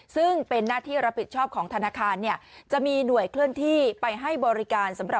ซึ่งเป็นหน้าที่รับผิดชอบของธนาคารเนี่ยจะมีหน่วยเคลื่อนที่ไปให้บริการสำหรับ